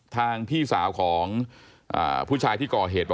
ทางพี่สาวของผู้ชายที่ก่อเหตุ